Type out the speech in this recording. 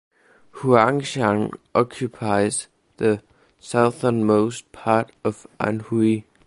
Huangshan occupies the southernmost part of Anhui.